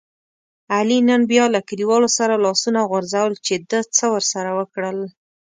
علي نن بیا له کلیوالو سره لاسونه غورځول چې ده څه ورسره وکړل.